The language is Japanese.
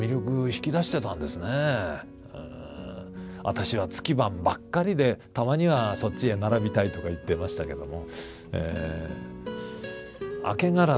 「私は月番ばっかりでたまにはそっちへ並びたい」とか言ってましたけども。